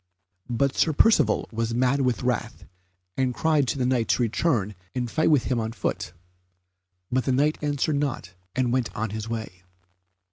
But Sir Percivale was mad with wrath, and cried to the Knight to return and fight with him on foot; but the Knight answered not and went on his way.